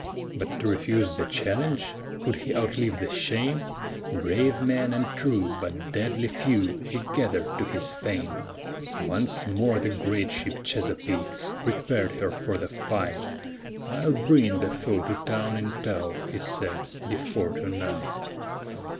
But to refuse the challenge? Could he outlive the shame? Brave men and true, but deadly few, he gathered to his fame. Once more the great ship Chesapeake prepared her for the fight, "I'll bring the foe to town in tow," he said, "before to night!"